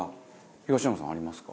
東山さんありますか？